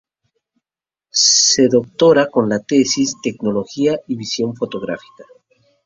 Se doctora con la Tesis “Tecnología y visión fotográfica.